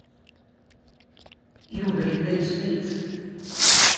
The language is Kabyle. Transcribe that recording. Yuba yella yessen-itt.